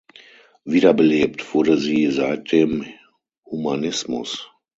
Wiederbelebt wurde sie seit dem Humanismus.